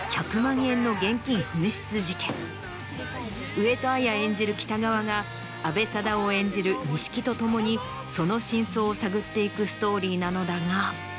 上戸彩演じる北川が阿部サダヲ演じる西木と共にその真相を探っていくストーリーなのだが。